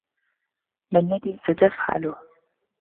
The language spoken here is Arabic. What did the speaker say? ما الذي ستفعله ؟